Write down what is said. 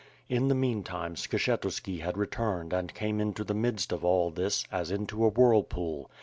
In the meantime, Skshetuski had returned and came into the midst of all this, as into a whirlpool.